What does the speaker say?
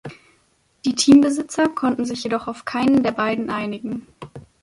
Die Teambesitzer konnten sich jedoch auf keinen der beiden einigen.